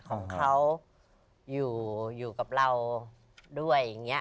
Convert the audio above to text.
ของเขาอยู่อยู่กับเราด้วยอย่างนี้